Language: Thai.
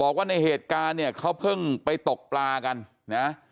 บอกว่าในเหตุการณ์เนี่ยเขาเพิ่งไปตกปลากันนะ